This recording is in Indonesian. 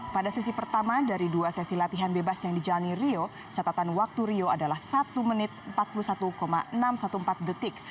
pada sesi pertama dari dua sesi latihan bebas yang dijalani rio catatan waktu rio adalah satu menit empat puluh satu enam ratus empat belas detik